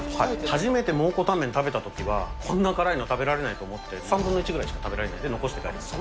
初めて蒙古タンメン、食べたときはこんな辛いの食べられないと思って、３分の１ぐらいしか食べられずに残して帰りました。